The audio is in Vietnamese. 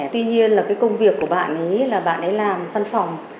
tuy nhiên công việc của bạn ấy là bạn ấy làm văn phòng